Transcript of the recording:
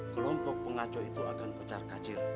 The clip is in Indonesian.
kelompok pengacau itu akan pecar kacil